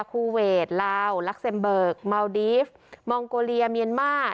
คูเวทลาวลักเซมเบิกเมาดีฟมองโกเลียเมียนมาร์